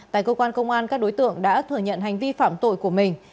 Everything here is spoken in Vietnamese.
tại cơ quan công an các đối tượng đã thừa nhận hành vi phạm tội của mình